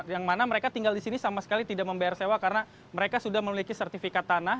yang mana mereka tinggal di sini sama sekali tidak membayar sewa karena mereka sudah memiliki sertifikat tanah